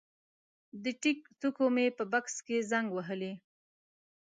د ټیک څوکو مې په بکس کې زنګ وهلی